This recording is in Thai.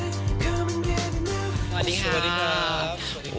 สวัสดีครับ